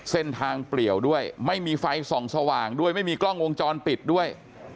เปลี่ยวด้วยไม่มีไฟส่องสว่างด้วยไม่มีกล้องวงจรปิดด้วย